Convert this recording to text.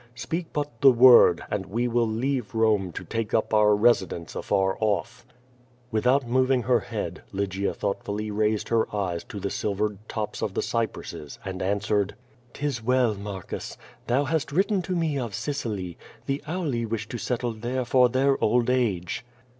Sj>eak but the word, and we will leave Borne to take up our residence afar off." Without removing her head, T^ygia thoughtfully raised her eyes to the silvered tops of the cypresses^ and answered: ^ QUO VADI8. 291 *''Tis well, Marcus. Thou hast written to me of Sicily. The Auli wisli to settle there for their old age."